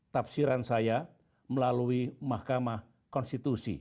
tafsiran saya melalui mahkamah konstitusi